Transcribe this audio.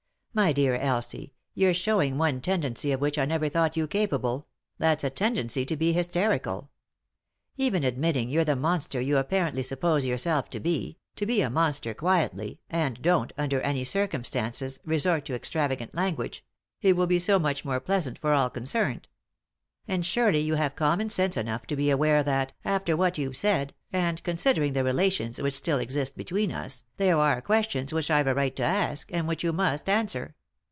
My dear Elsie, you're showing one tendency of which I never thought you capable — that's a tendency to be hysterical. Even admitting you're the monster you apparently suppose yourself to be, do be a monster quietly, and don't, under any circumstances, resort to extravagant language — it will be so much more pleasant for all concerned, And surely you have common sense enough to be aware that, after what you have said, and considering the relations which still exist between us, there are questions which I've a right to ask, and which you must answer."